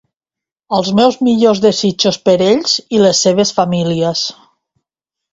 Els meus millors desitjos per ells i les seves famílies.